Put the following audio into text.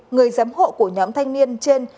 người giám hộ của nhóm thanh niên trên